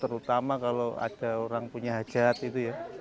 terutama kalau ada orang punya hajat itu ya